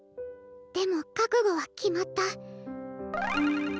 でも覚悟は決まった。